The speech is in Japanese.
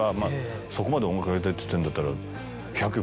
そこまで音楽やりたいっつってんだったら。